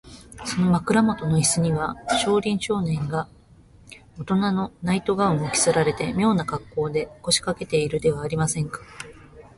その枕もとのイスには、小林少年がおとなのナイト・ガウンを着せられて、みょうなかっこうで、こしかけているではありませんか。